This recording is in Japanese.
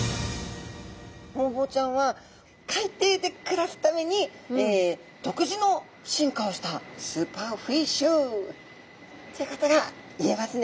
ホウボウちゃんは海底で暮らすために独自の進化をしたスーパーフィッシュということが言えますね。